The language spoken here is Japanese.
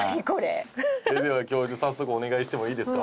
それでは教授早速お願いしてもいいですか？